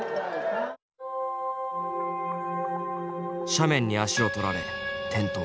斜面に足を取られ転倒。